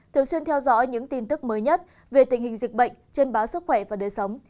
thường xuyên theo dõi những tin tức mới nhất về tình hình dịch bệnh trên báo sức khỏe và đời sống